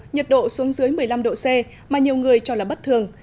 nhiệt độ xuống dưới một mươi năm độ c mà nhiều người cho là bất thường